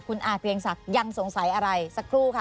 คุณอาเกรียงศักดิ์ยังสงสัยอะไรสักครู่ค่ะ